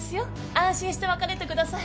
安心して別れてください。